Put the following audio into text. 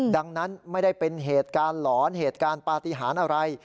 ดังนั้นไม่ได้เป็นเหตุการณ์หลอนเหตุการณ์ปฏิหารอะไร